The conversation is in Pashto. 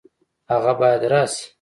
هغه باید راشي